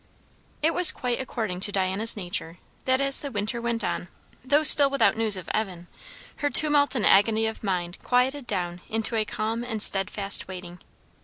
It was quite according to Diana's nature, that as the winter went on, though still without news of Evan, her tumult and agony of mind quieted down into a calm and steadfast waiting.